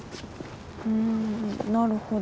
ふんなるほど。